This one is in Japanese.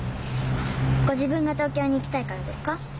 ご自分が東京に行きたいからですか？